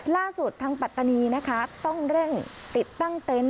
ล่าสุดทางปัตตานีนะคะต้องเร่งติดตั้งเต็นต์